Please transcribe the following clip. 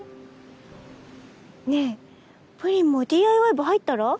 ねえぷりんもＤＩＹ部入ったら？